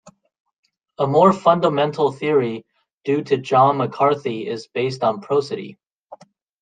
A more fundamental theory due to John McCarthy is based on prosody.